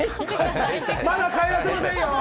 まだ帰らせませんよ。